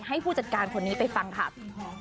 ให้ผู้จัดการคนนี้ไปฟังครับ